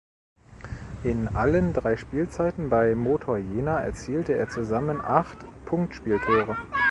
In allen drei Spielzeiten bei Motor Jena erzielte er zusammen acht Punktspieltore.